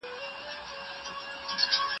هغه وويل چي د کتابتون کتابونه لوستل کول مهم دي.